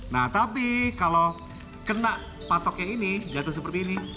nah tapi kalau kena patoknya ini jatuh seperti ini